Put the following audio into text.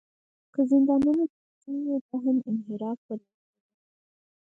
که زندانونه جوړ شوي وي، دا هم انحراف بلل کېده.